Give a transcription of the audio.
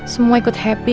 kalaulah punya chance